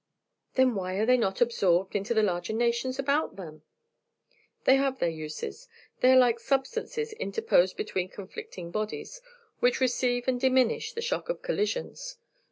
"Then why are they not absorbed into the larger nations about them?" "They have their uses; they are like substances interposed between conflicting bodies, which receive and diminish the shock of collisions.